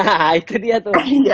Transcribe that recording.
nah itu dia tuh